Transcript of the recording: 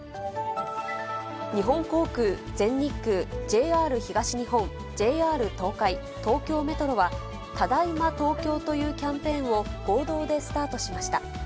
日本航空、全日空、ＪＲ東日本、ＪＲ東海、東京メトロは、ただいま東京というキャンペーンを合同でスタートしました。